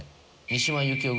三島由紀夫